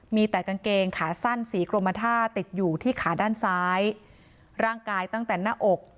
มีแต่กางเกงขาสั้นสีกรมท่าติดอยู่ที่ขาด้านซ้ายร่างกายตั้งแต่หน้าอก